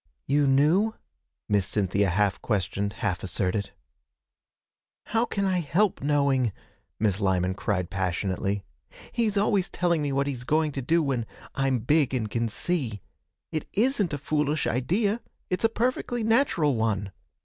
'You knew?' Miss Cynthia half questioned, half asserted. 'How can I help knowing!' Miss Lyman cried passionately. 'He's always telling me what he's going to do when "I'm big an' can see." It isn't a foolish idea! It's a perfectly natural one.